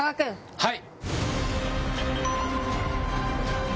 はい！